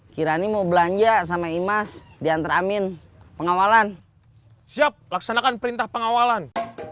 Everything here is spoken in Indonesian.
kirani mau belanja sama imas diantar amin pengawalan siap laksanakan perintah pengawalan